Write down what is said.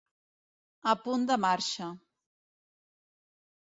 A punt de marxa.